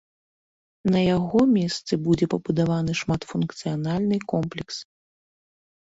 На яго месцы будзе пабудаваны шматфункцыянальны комплекс.